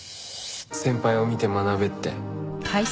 先輩を見て学べって。